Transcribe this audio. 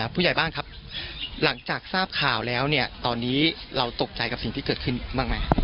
ผู้ใหญ่บ้านครับหลังจากทราบข่าวแล้วเนี่ยตอนนี้เราตกใจกับสิ่งที่เกิดขึ้นบ้างไหม